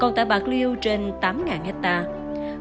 còn tại bạc liêu trên tám hectare